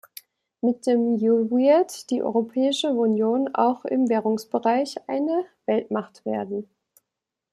Mit dem Euwird die Europäische Union auch im Währungsbereich eine Weltmacht werden.